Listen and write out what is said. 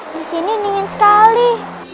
di sini dingin sekali